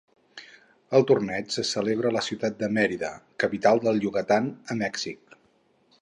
El torneig se celebra a la ciutat de Mérida, capital del Yucatán, a Mèxic.